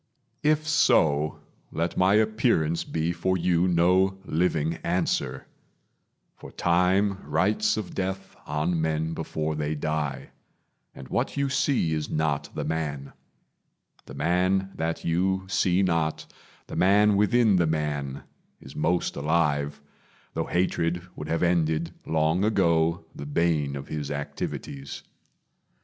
If so, let my appearance be for you No living answer; for Time writes of death On men before they die, and what you see Is not the man. The man that you see not The man within the man is most alive; Though hatred would have ended, long ago, The bane of his activities.